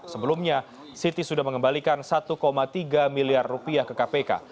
sebelumnya siti sudah mengembalikan satu tiga miliar rupiah ke kpk